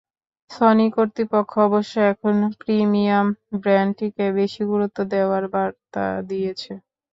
Sony কর্তৃপক্ষ অবশ্য, এখন প্রিমিয়াম ব্র্যান্ডটিকে বেশি গুরুত্ব দেওয়ার বার্তা দিয়েছে।